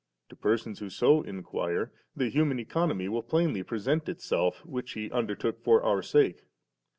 To persons who so inquire, the human Economy will plainly present itself, which He undertook for our sake.